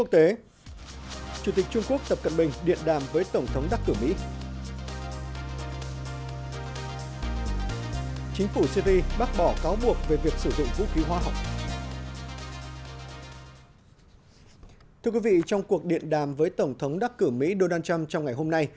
thưa quý vị trong cuộc điện đàm với tổng thống đắc cử mỹ donald trump trong ngày hôm nay